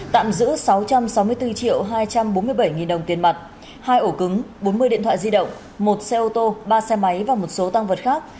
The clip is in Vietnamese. tạm giữ sáu trăm sáu mươi bốn hai trăm bốn mươi bảy nghìn đồng tiền mặt hai ổ cứng bốn mươi điện thoại di động một xe ô tô ba xe máy và một số tăng vật khác